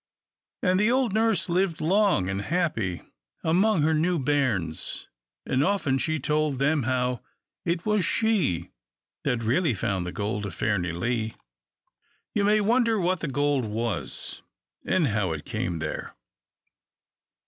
And the old nurse lived long and happy among her new bairns, and often she told them how it was she who really found the Gold of Fairnilee. [Illustration: Page 311] You may wonder what the gold was, and how it came there?